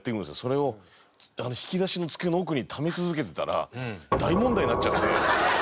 それを引き出しの机の奥にため続けてたら大問題になっちゃって。